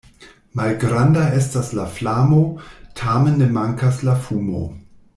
Malgranda estas la flamo, tamen ne mankas la fumo.